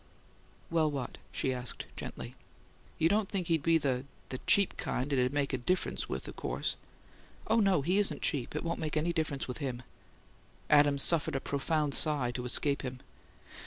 "Well, what?" she asked, gently. "You don't think he'd be the the cheap kind it'd make a difference with, of course." "Oh, no; he isn't cheap. It won't make any difference with him." Adams suffered a profound sigh to escape him.